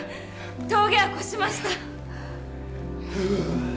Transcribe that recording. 峠は越しました